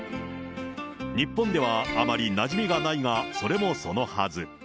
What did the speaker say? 日本ではあまりなじみがないが、それもそのはず。